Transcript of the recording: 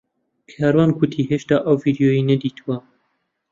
کاروان گوتی هێشتا ئەو ڤیدیۆیەی نەدیتووە.